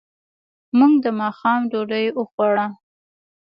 موږ د ماښام ډوډۍ وخوړه.